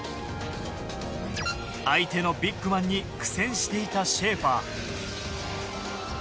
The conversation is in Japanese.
相手のビッグマンに苦戦していたシェーファー。